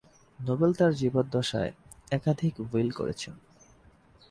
Nobel তার জীবদ্দশায় একাধিক উইল করেছেন।